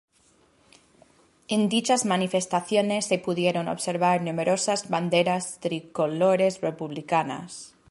En dichas manifestaciones se pudieron observar numerosas banderas tricolores republicanas.